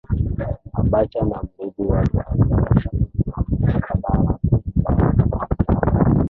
Abacha na mrithi wake Abdulsalam Abubakar kumpa mamlaka